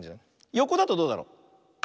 よこだとどうだろう。